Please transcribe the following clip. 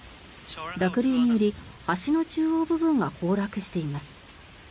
濁流により橋の中央部分が崩落しています。